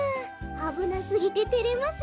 あぶなすぎててれますね。